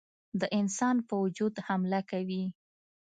د انسان په وجود حمله کوي.